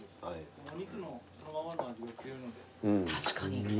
確かに。